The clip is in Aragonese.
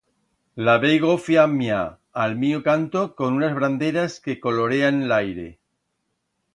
La veigo fllamiar a'l mío canto con unas branderas que colorean l'aire.